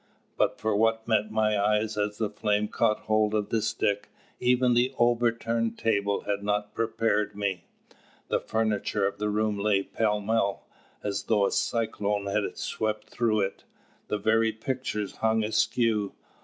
But for what met my eyes as the flame caught hold of the stick, even the overturned table had not prepared me. The furniture of the room lay pell mell, as though a cyclone had swept through it. The very pictures hung askew.